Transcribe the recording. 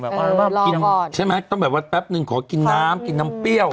กินใช่ไหมต้องแบบว่าแป๊บนึงขอกินน้ำกินน้ำเปรี้ยว